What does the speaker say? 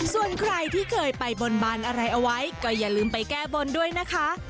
ส่วนใครที่เคยไปบนบานอะไรเอาไว้ก็อย่าลืมไปแก้บนด้วยนะคะ